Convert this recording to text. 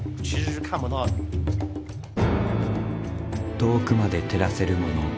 遠くまで照らせるもの。